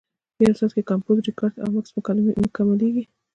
په یو ساعت کې کمپوز، ریکارډ او مکس مکملېږي.